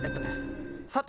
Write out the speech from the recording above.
佐藤。